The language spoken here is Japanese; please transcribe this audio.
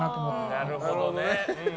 なるほどね。